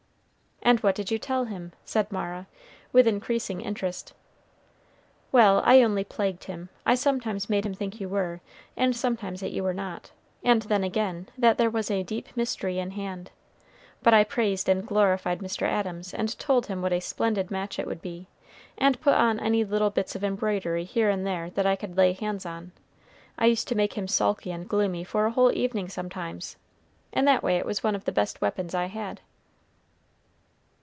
"And what did you tell him?" said Mara, with increasing interest. "Well, I only plagued him. I sometimes made him think you were, and sometimes that you were not; and then again, that there was a deep mystery in hand. But I praised and glorified Mr. Adams, and told him what a splendid match it would be, and put on any little bits of embroidery here and there that I could lay hands on. I used to make him sulky and gloomy for a whole evening sometimes. In that way it was one of the best weapons I had."